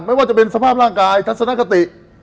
ไม่ว่าจะเป็นสภาพร่างกายทัศนคติ